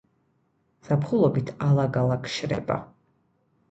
ზაფხულობით ალაგ-ალაგ შრება.